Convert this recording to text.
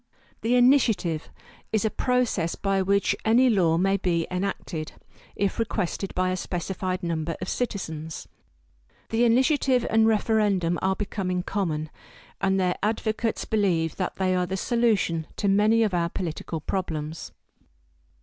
The Initiative is a process by which any law may be enacted, if requested by a specified number of citizens. The Initiative and Referendum are becoming common, and their advocates believe that they are the solution to many of our political problems.